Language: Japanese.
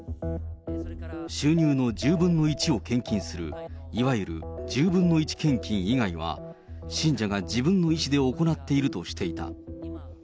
収入の１０分の１を献金する、いわゆる十分の一献金以外は信者が自分の意思で行っているとしていた。